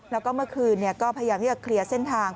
แล้วก็เมื่อคืนก็พยายามที่จะเคลียร์เส้นทาง